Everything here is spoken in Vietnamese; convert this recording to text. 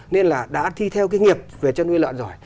nên là đã thi theo cái nghiệp về chăn nuôi lợn rồi